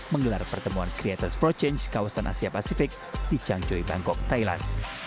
menggelar pertemuan creators for change kawasan asia pasifik di changzhouy bangkok thailand